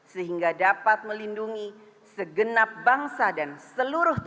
sehingga dapat melindungi segenap bangsa dan seluruh dunia